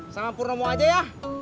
sama pur nomo aja ya